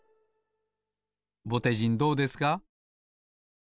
ぼてじんどうですか？